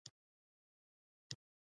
د غلام خان بندر رسمي شوی دی؟